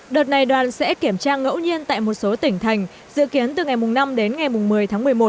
đợt này đoàn sẽ kiểm tra ngẫu nhiên tại một số tỉnh thành dự kiến từ ngày năm đến ngày một mươi tháng một mươi một